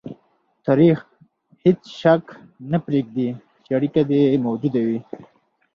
تاریخ هېڅ شک نه پرېږدي چې اړیکه دې موجوده وي.